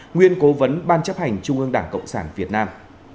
nguyên cố vấn ban chấp hành trung ương đảng cộng sản việt nam